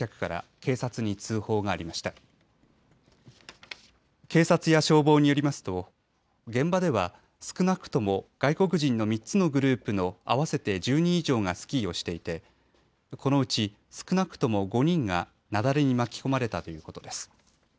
警察や消防によりますと現場では少なくとも外国人の３つのグループの合わせて１０人以上がスキーをしていてこのうち、少なくとも５人が雪崩に巻き込まれたということです。